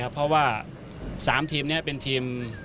เพราะว่า๓ทีมนี้เป็นทีม